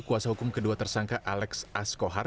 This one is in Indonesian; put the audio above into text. kuasa hukum kedua tersangka alex askohar